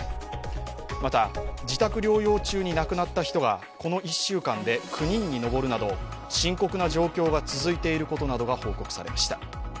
また、自宅療養中に亡くなった人がこの１週間で９人に上るなど深刻な状況が続いていることなどが報告されました。